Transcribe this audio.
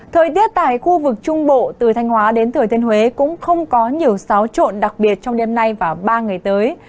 thời tiết tại khu vực trung bộ từ thanh hóa đến thừa thiên huế cũng không có nhiều xáo trộn đặc biệt trong đêm nay và ba ngày tới